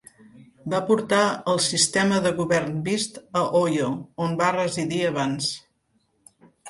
Va portar el sistema de govern vist a Oyo, on va residir abans.